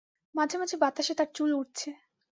মাঝেমাঝে বাতাসে তার চুল উড়ছে।